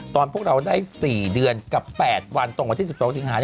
พวกเราได้๔เดือนกับ๘วันตรงวันที่๑๒สิงหา